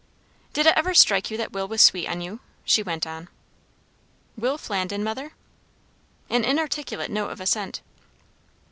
"Did it ever strike you that Will was sweet on you?" she went on. "Will Flandin, mother?" An inarticulate note of assent.